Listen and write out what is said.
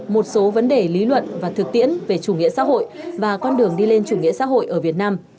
một số vấn đề lý luận và thực tiễn về chủ nghĩa xã hội và con đường đi lên chủ nghĩa xã hội ở việt nam